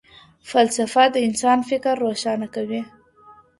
فلسفه د انسان فکر روښانه کوي.